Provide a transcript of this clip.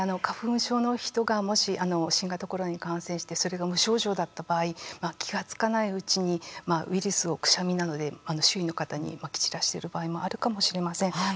花粉症の人がもし新型コロナに感染してそれが無症状だった場合気がつかないうちにウイルスをくしゃみなどで周囲の方にまき散らしている場合もあるかもしれません。